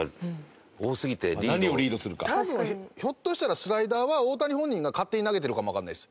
多分ひょっとしたらスライダーは大谷本人が勝手に投げてるかもわかんないです